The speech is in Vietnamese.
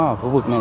ở khu vực này